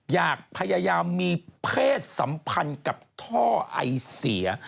อยากพยายามมีเพศสัมพันธ์กับท่อไอเสีย